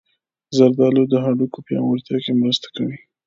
زردالو د هډوکو پیاوړتیا کې مرسته کوي.